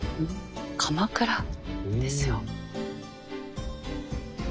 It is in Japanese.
鎌倉ですよ。